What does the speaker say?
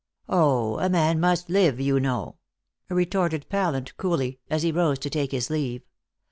"Oh, a man must live, you know," retorted Pallant coolly, as he rose to take his leave.